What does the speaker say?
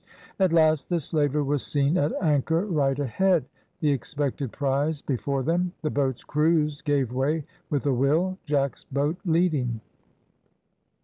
At last the slaver was seen at anchor right ahead. The expected prize before them, the boats' crews gave way with a will, Jack's boat leading.